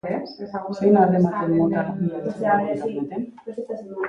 Zein harreman mota bilatzen dugu interneten?